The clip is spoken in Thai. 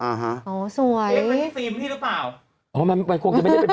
มันเห็นเสียงที่ถ้างั้นพี่หรือเปล่า